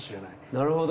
なるほど。